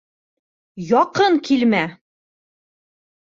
Яҡын килмә!